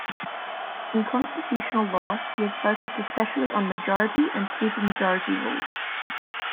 In constitutional law, he has focused especially on majority and supermajority rules.